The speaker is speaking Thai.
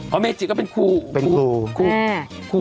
เพราะเมจิก็เป็นครูเป็นครูครูอ่า